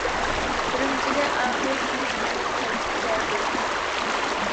ئۈرۈمچىگە ئاخىرى تىنچ-ئامان قايتىپ كەلدىم.